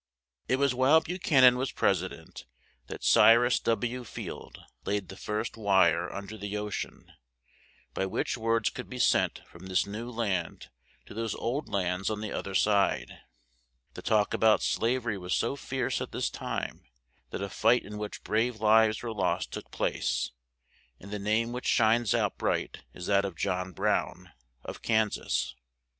It was while Bu chan an was pres i dent that Cy rus W. Field laid the first wire un der the O cean, by which words could be sent from this new land to those old lands on the oth er side. The talk a bout slav er y was so fierce at this time that a fight in which brave lives were lost took place, and the name which shines out bright is that of John Brown of Kan sas.